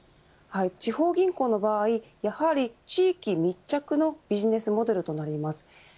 地方銀行の場合やはり地域密着のビジネスモデルとなります。